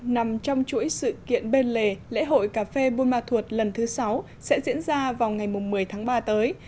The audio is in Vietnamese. nằm trong chuỗi sự kiện bên lề lễ hội cà phê buôn ma thuột lần thứ sáu sẽ diễn ra vào ngày một mươi tháng ba tới